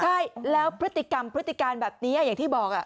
ใช่แล้วพฤติกรรมพฤติการแบบนี้อย่างที่บอก